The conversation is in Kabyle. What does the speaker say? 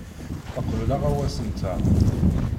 Teqbel aɣawas-nteɣ.